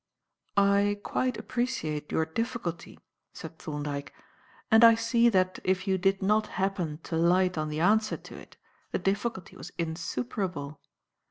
"I quite appreciate your difficulty," said Thorndyke, "and I see that if you did not happen to light on the answer to it, the difficulty was insuperable.